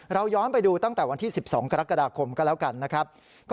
ย้อนไปดูตั้งแต่วันที่๑๒กรกฎาคมก็แล้วกันนะครับ